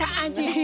jangan bikin malu